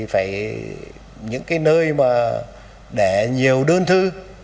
thì những cái nơi mà để nhiều đơn thư